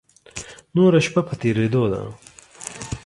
نوره شپه په تېرېدو ده.